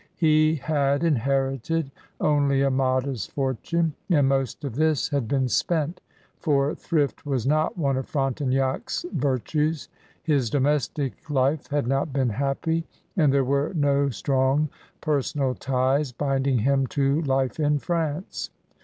He had inherited only a modest fortune, and most of this had been spent, for thrift was not one of Frontenac's virtues. His domestic life had not been happy, and there were no strong personal ties binding him to life in France.'